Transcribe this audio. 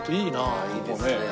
いいですね。